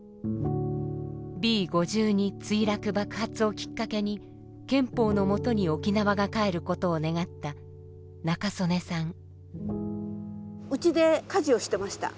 Ｂ５２墜落・爆発をきっかけに憲法のもとに沖縄が返ることを願ったうちで家事をしてました。